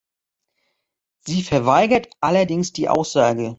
Sie verweigert allerdings die Aussage.